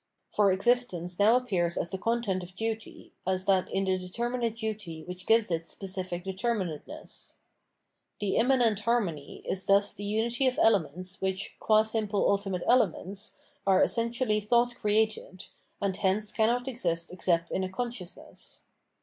For existence now appears as the content of duty, as that in the determinate duty which gives it specific determinateness. The immanent harmony is thus the unity of elements which, qua simple ultimate elements, are essentially thought created, and hence cannot exist except in a consciousness.